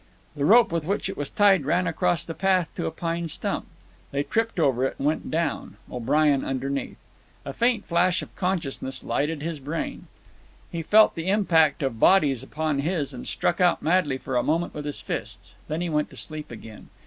The rope with which it was tied ran across the path to a pine stump. They tripped over it and went down, O'Brien underneath. A faint flash of consciousness lighted his brain. He felt the impact of bodies upon his and struck out madly for a moment with his fists. Then he went to sleep again.